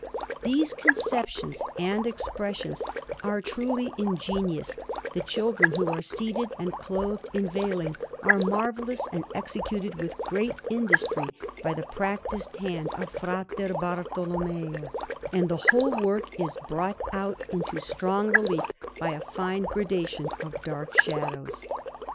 These conceptions and expressions are truly ingenious; the children, who are seated, and clothed in veiling, are marvellous and executed with great industry by the practised hand of Fra Bartolommeo; and the whole work is brought out into strong relief by a fine gradation of dark shadows.